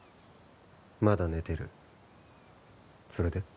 まだ寝てるそれで？